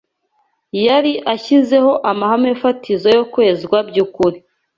yari ashyizeho amahame fatizo yo kwezwa by’ukuri